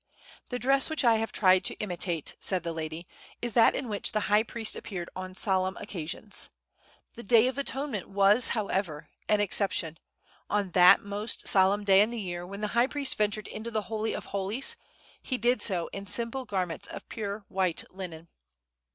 "The dress which I have tried to imitate," said the lady, "is that in which the high priest appeared on solemn occasions. The Day of Atonement was, however, an exception; on that most solemn day in the year, when the high priest ventured into the Holy of holies, he did so in simple garments of pure white linen."